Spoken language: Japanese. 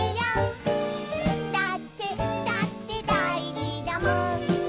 「だってだってだいじだもん」